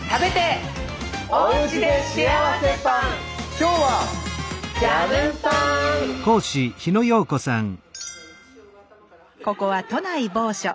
今日はここは都内某所。